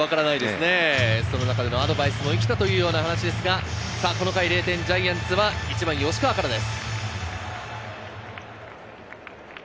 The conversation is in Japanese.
その中でのアドバイスもいきた話ですが、この回で０点ジャイアンツは１番・吉川からです。